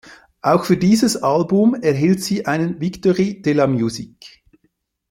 Auch für dieses Album erhielt sie einen "Victoires de la musique.